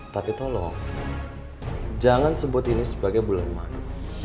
tapi tolong jangan sebut ini sebagai bulan mana